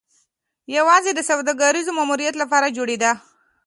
یوازې د سوداګریز ماموریت لپاره جوړېده.